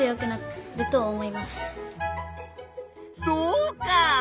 そうか！